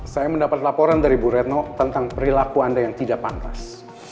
saya mendapat laporan dari bu retno tentang perilaku anda yang tidak pantas